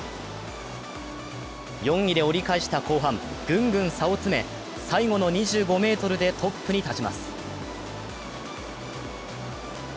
４位で折り返した後半、ぐんぐん差を詰め、最後の２５ｍでトップに立ちます。